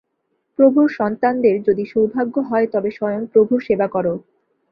প্রভুর সন্তানদের, যদি সৌভাগ্য হয় তবে স্বয়ং প্রভুর সেবা কর।